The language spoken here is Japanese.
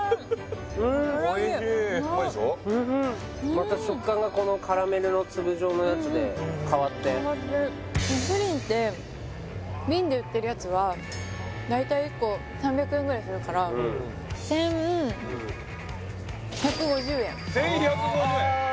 また食感がこのカラメルの粒状のやつで変わってプリンって瓶で売ってるやつは大体１個３００円ぐらいするからうん１１５０円１１５０円